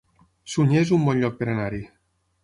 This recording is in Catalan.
Sunyer es un bon lloc per anar-hi